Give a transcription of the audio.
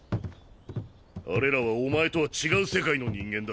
アレらはおまえとは違う世界の人間だ。